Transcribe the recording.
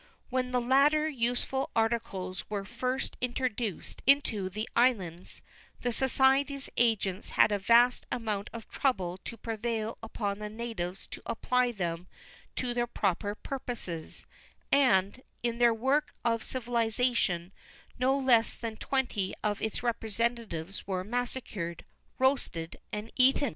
"When the latter useful articles were first introduced into the islands, the society's agents had a vast amount of trouble to prevail upon the natives to apply them to their proper purposes; and, in their work of civilization, no less than twenty of its representatives were massacred, roasted, and eaten.